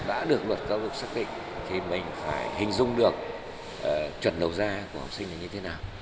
giáo dục xác định thì mình phải hình dung được chuẩn đầu ra của học sinh là như thế nào